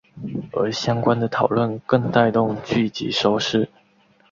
而相关的讨论更带动剧集收视。